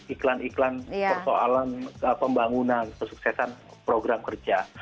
iklan iklan persoalan pembangunan kesuksesan program kerja